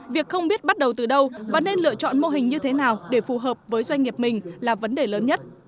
việc không biết bắt đầu từ đâu và nên lựa chọn mô hình như thế nào để phù hợp với doanh nghiệp mình là vấn đề lớn nhất